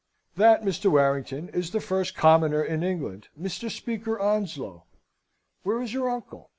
That, Mr. Warrington, is the first commoner in England, Mr. Speaker Onslow. Where is your uncle?